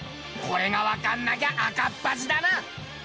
これがわかんなきゃ赤っ恥だな！